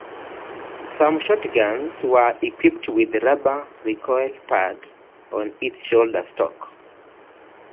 Some shotguns were equipped with rubber recoil pad on its shoulder stock.